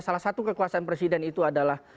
salah satu kekuasaan presiden itu adalah